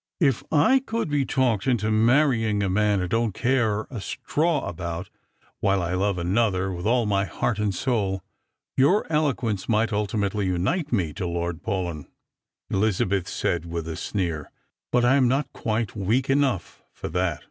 " If I could be talked into marrying a man I don't care a straw about, while I love another with all my heart and soul, your eloquence might ultimately unite me to Lord Paulyn," Elizabeth said, with a sneer ;" but I am not quite weak enough for that.